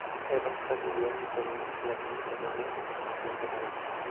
Era un ‘casi-dios’, y sólo luego se convirtió en un Dios verdadero.